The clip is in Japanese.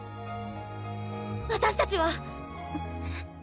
私たちは。